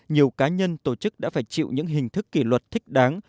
nhiều cá nhân tổ chức đã phải chịu những hình thức kỷ luật thích đáng